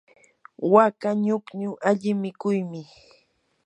waka ñukñu alli mikuymi.